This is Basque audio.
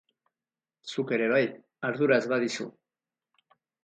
Zuk ere bai, ardura ez badizu.